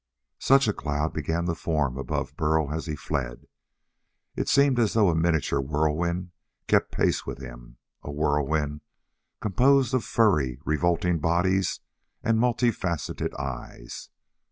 Such a cloud began to form about Burl as he fled. It seemed as though a miniature whirlwind kept pace with him a whirlwind composed of furry, revolting bodies and multi faceted eyes.